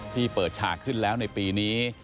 ที่เปิดฉากขึ้นแล้วในปีนี้